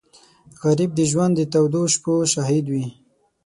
غریب د ژوند د تودو شپو شاهد وي